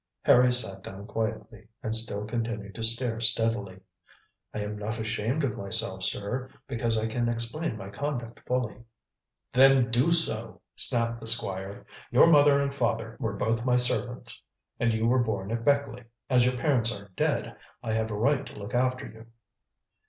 Harry sat down quietly, and still continued to stare steadily. "I am not ashamed of myself, sir, because I can explain my conduct fully." "Then do so," snapped the Squire. "Your mother and father were both my servants, and you were born at Beckleigh. As your parents are dead, I have a right to look after you."